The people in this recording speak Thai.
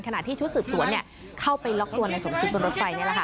ขณะที่ชุดสืบสวนเข้าไปล็อกตัวในสมคิดบนรถไฟนี่แหละค่ะ